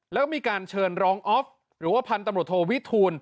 แล้วก็มีการเชิญรองออฟหรือว่าพันธุ์ตำรวจโทวิทูล